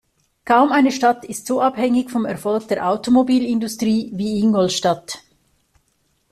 Kaum eine Stadt ist so abhängig vom Erfolg der Automobilindustrie wie Ingolstadt.